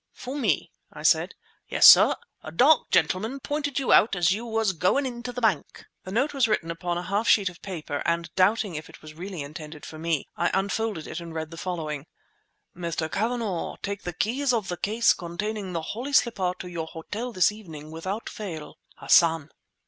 "For me?" I said. "Yes, sir. A dark gentleman pointed you out as you was goin' into the bank." The note was written upon a half sheet of paper and, doubting if it was really intended for me, I unfolded it and read the following— Mr. Cavanagh, take the keys of the case containing the holy slipper to your hotel this evening without fail. HASSAN.